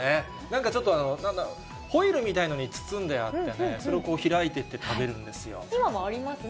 なんか、ちょっとね、ホイルみたいなのに包んであってね、それを開いてって食べるんで今もありますね、